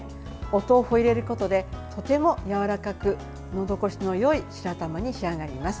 お豆腐を入れることでとてもやわらかくのどごしのよい白玉に仕上がります。